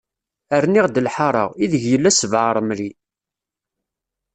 Rniɣ-d lḥara, i deg yella sbeɛ aṛemli.